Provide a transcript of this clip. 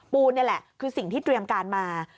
นี่แหละคือสิ่งที่เตรียมการมา